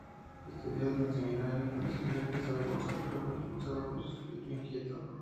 Estudió en el Seminario conciliar de Zaragoza, pero fue expulsado por su espíritu inquieto.